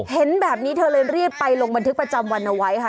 เห็นแบบนี้เธอเลยรีบไปลงบันทึกประจำวันเอาไว้ค่ะ